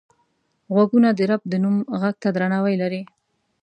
غوږونه د رب د نوم غږ ته درناوی لري